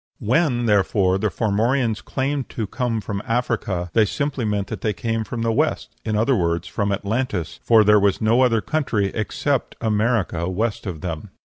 When, therefore, the Formorians claimed to come from Africa, they simply meant that they came from the West in other words, from Atlantis for there was no other country except America west of them.